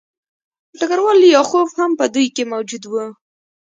ډګروال لیاخوف هم په دوی کې موجود و